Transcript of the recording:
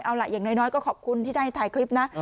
เอาล่ะอย่างน้อยก็ขอบคุณที่ได้ถ่ายคลิปนะ